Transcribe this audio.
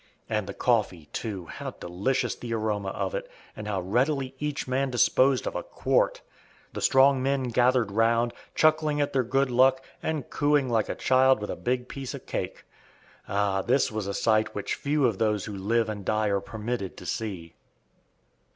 And the coffee, too, how delicious the aroma of it, and how readily each man disposed of a quart! The strong men gathered round, chuckling at their good luck, and "cooing" like a child with a big piece of cake. Ah, this was a sight which but few of those who live and die are permitted to see!